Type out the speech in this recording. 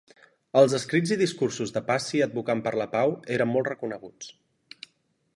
Els escrits i discursos de Passy advocant per la pau eren molt reconeguts.